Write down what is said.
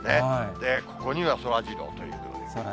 ここにはそらジローということで。